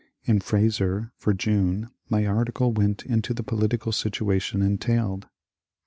In ^' Fraser " for June my article went into the political situa tion entailed.